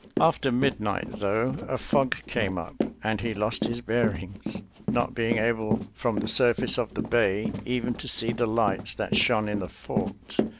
After midnight, though, a fog came up and ihe lost his bearings, not being able from the surface of the bay even to see the lights that shone in. the fort.